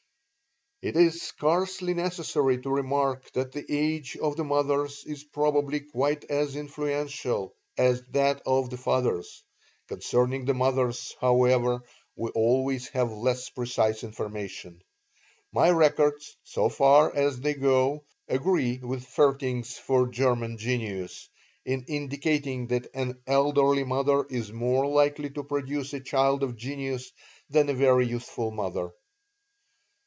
"It is scarcely necessary to remark that the age of the mothers is probably quite as influential as that of the fathers. Concerning the mothers, however, we always have less precise information. My records, so far as they go, agree with Vaerting's for German genius, in indicating that an elderly mother is more likely to produce a child of genius than a very youthful mother.